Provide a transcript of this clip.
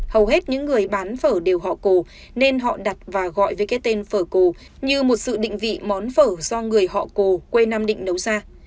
hầu hết những người bán phở đều họ cổ nên họ đặt và gọi với cái tên phở cổ như một sự định vị món phở do người họ cổ quê nam định nấu ra